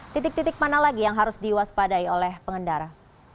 titik titik mana lagi yang harus diwaspadai oleh pengendara